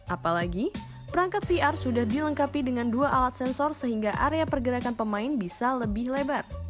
apalagi perangkat vr sudah dilengkapi dengan dua alat sensor sehingga area pergerakan pemain bisa lebih lebar